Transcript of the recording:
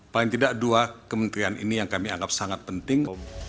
paling tidak dua kementerian ini yang kami anggap sangat penting